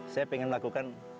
saya ingin melakukan